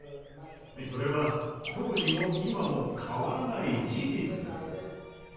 それは当時も今も変わらない事実です。